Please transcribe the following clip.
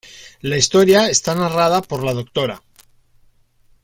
La historia está narrada por la Dra.